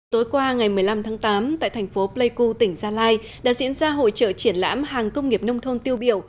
tối qua ngày một mươi năm tháng tám tại thành phố pleiku tỉnh gia lai đã diễn ra hội trợ triển lãm hàng công nghiệp nông thôn tiêu biểu